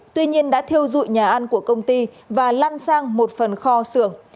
tuy nhiên đã thiêu dụi nhà ăn của công ty và lan sang một phần kho xưởng